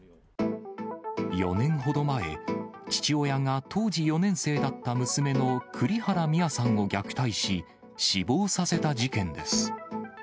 ４年ほど前、父親が当時４年生だった娘の栗原心愛さんを虐待し、死亡させた事件です。